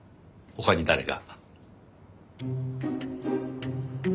他に誰が？